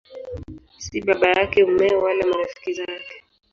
Si baba yake, mumewe wala marafiki zake.